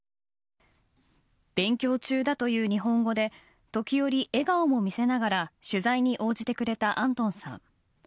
勉強中だという日本語で時折、笑顔も見せながら取材に応じてくれたアントンさん。